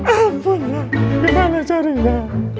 ampun lah gimana carinya